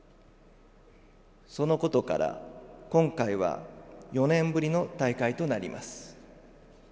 そのことから今回は４年ぶりの大会となります。